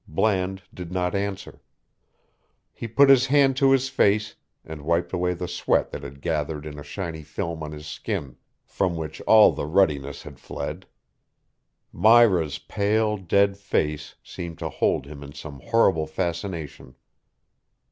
Bland did not answer. He put his hand to his face and wiped away the sweat that had gathered in a shiny film on his skin, from which all the ruddiness had fled. Myra's pale, dead face seemed to hold him in some horrible fascination.